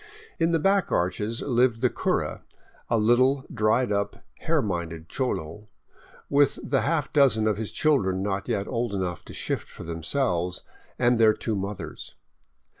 In the back arches lived the cura, a little, dried up, hare minded cholo, with the half dozen of his children not yet old enough to shift for themselves, and their two mothers.